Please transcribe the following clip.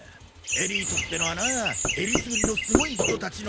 エリートってのはなえりすぐりのすごい人たちのことだ。